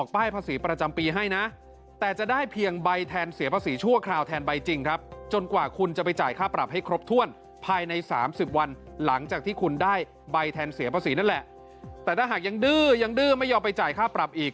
ใบแทนเสียภาษีนั่นแหละแต่ถ้าหากยังดื้อยังดื้อไม่ยอมไปจ่ายค่าปรับอีก